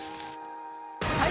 はい！